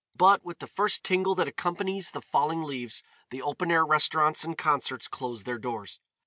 But with the first tingle that accompanies the falling leaves, the open air restaurants and concerts closed their doors.